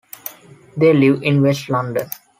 They live in west London.